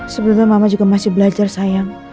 sebetulnya mama juga masih belajar sayang